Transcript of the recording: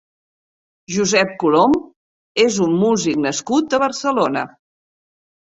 Josep Colom és un músic nascut a Barcelona.